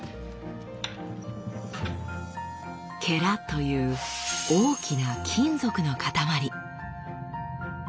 「」という大きな金属の塊。